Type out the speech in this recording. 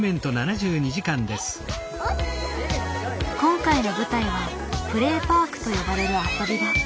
今回の舞台は「プレーパーク」と呼ばれる遊び場。